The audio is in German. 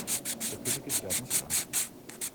Der König ist sterbenskrank.